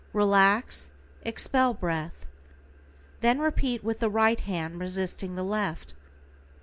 Relax, expel breath. Then repeat with the right hand resisting the left.